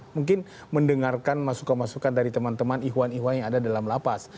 mungkin mendengarkan masukan masukan dari teman teman ikhwan ihwan yang ada dalam lapas